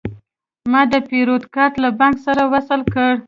ما د پیرود کارت له بانک سره وصل کړ.